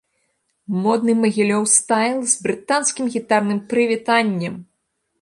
Модны магілёў-стайл з брытанскім гітарным прывітаннем!